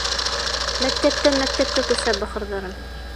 Мәктәптән мәктәпкә күсә бахырҙарым.